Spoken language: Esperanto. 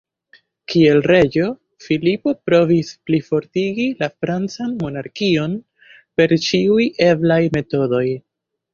Kiel reĝo, Filipo provis plifortigi la francan monarkion per ĉiuj eblaj metodoj.